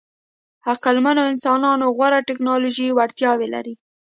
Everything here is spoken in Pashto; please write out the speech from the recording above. عقلمنو انسانانو غوره ټولنیزې وړتیاوې لرلې.